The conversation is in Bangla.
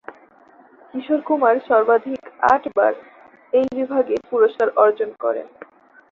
কিশোর কুমার সর্বাধিক আটবার এই বিভাগে পুরস্কার অর্জন করেন।